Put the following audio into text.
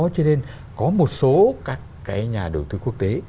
cho nên có một số các cái nhà đầu tư quốc tế